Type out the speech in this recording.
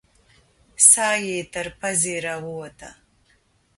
ساه يې تر پزې راووته.